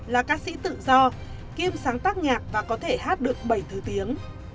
là ca sĩ tự do kiêm sáng tác nhạc và có thể hát được bảy thứ tiếng